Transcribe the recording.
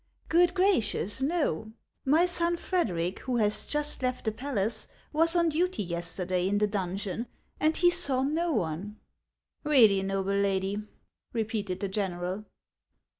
" Good gracious, no ! My son Frederic, who has just left the palace, was on duty yesterday in the donjon, and he saw no one." " Really, noble lady ?" repeated the general.